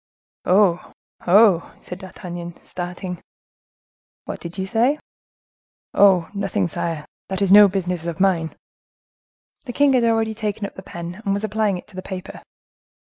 "Oh! oh!" said D'Artagnan, starting. "What did you say?" "Oh! nothing, sire. This is no business of mine." The king had already taken up the pen, and was applying it to the paper.